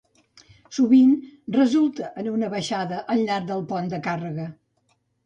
Sovint resulta en una baixada al llarg del pont de càrrega.